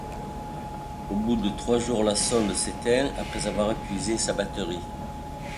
Au bout de trois jours la sonde s'éteint après avoir épuisé sa batterie.